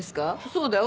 そうだよ